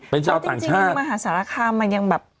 เพราะจริงมหาสารค่ามันยังแบบ